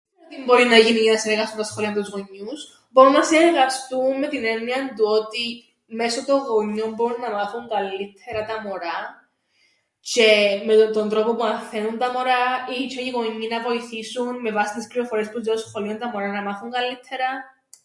Τι μπορεί να γίνει για να συνεργαστούν τα σχολεία με τους γονιούς; Μπόρουν να συνεργαστούν με την έννοιαν του ότι μέσον των γονιών μπόρουν να μάθουν καλλ΄υττερα τα μωρά τζ̆αι με τον τρόπον που μαθαίννουν τα μωρά, ΄΄η τζ̆αι οι γονιοί να βοηθήσουν με βάσην τες πληροφορίες που διά το σχολείον τα μωρά να μάθουν καλλ΄υττερα.